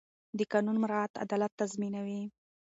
د قانون مراعت عدالت تضمینوي